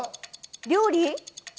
料理？